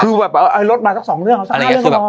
คือแบบเอารถมากับ๒เรื่องหรอสัก๕เรื่องก็พอ